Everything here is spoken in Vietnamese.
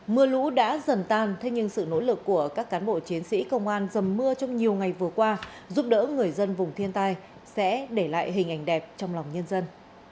mưa lũ đã dần tan thế nhưng sự nỗ lực của các cán bộ chiến sĩ công an dầm mưa trong nhiều ngày vừa qua giúp đỡ người dân vùng thiên tai sẽ để lại hình ảnh đẹp trong lòng nhân dân